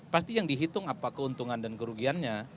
pasti yang dihitung apa keuntungan dan kerugiannya